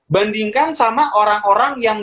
bandingkan sama orang orang yang